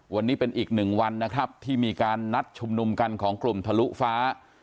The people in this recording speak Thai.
วันนี้เป็นอีกหนึ่งวันนะครับที่มีการนัดชุมนุมกันของกลุ่มทะลุฟ้า